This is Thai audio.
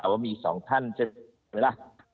ว่ามีสองท่านใช่ไหมล่ะ